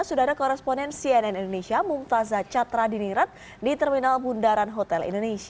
sudah ada koresponen cnn indonesia mumtazah catra dinirat di terminal bundaran hotel indonesia